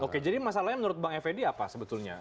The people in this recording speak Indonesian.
oke jadi masalahnya menurut bang effendi apa sebetulnya